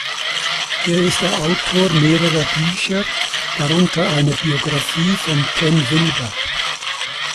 Er ist der Autor mehrerer Bücher, darunter eine Biographie von Ken Wilber.